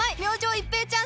一平ちゃーん！